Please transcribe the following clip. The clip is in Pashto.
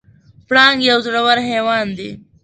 پړانګ یو زړور حیوان دی.